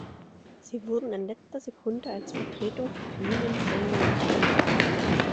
Sie wurden in letzter Sekunde als Vertretung für Queen in die Sendung geholt.